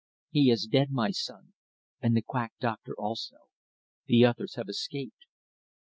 "He is dead, my son, and the quack doctor also. The others have escaped."